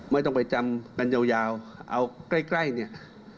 ไม่ต้องไปจำกันยาวเอาใกล้เนี่ย